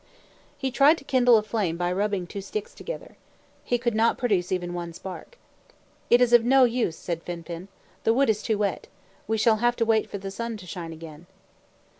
He tried to kindle a flame by rubbing two sticks together. He could not produce even one spark. "It is of no use," said Fin fin. "The wood is too wet. We shall have to wait for the sun to shine again."